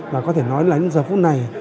và có thể nói là đến giờ phút này